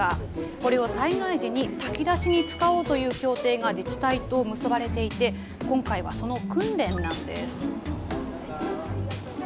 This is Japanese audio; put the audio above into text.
これを災害時に炊き出しに使おうという協定が自治体と結ばれていて、今回はその訓練なんです。